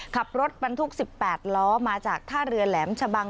ขับรถบรรทุก๑๘ล้อมาจากท่าเรือแหลมชะบัง